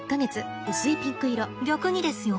逆にですよ。